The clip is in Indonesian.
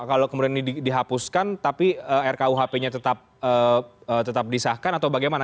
kalau kemudian ini dihapuskan tapi rkuhp nya tetap disahkan atau bagaimana